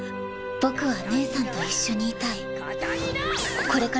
僕は義姉さんと一緒にいたい。